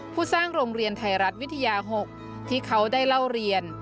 สร้างโรงเรียนไทยรัฐวิทยา๖ที่เขาได้เล่าเรียน